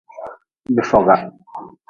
Bifoka.